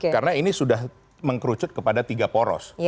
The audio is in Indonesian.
karena ini sudah mengkerucut kepada tiga poros